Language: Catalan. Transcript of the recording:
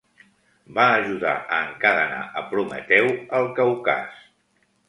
Va ajudar a encadenar a Prometeu al Caucas.